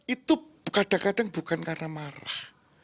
itu kadang kadang bukan karena marah